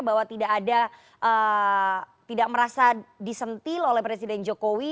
bahwa tidak ada tidak merasa disentil oleh presiden jokowi